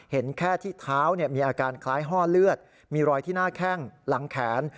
เห็นแค่ที่เท้ามีอาการคล้ายห้อเลือดมีรอยที่หน้าแข้งหลังแขน